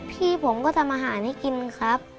พี่ผมก็ทำอาหารให้กินครับ